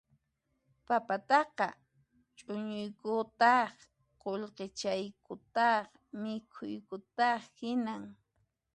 Papataqa chuñuykutaq qullqichaykutaq mikhuykutaq hinan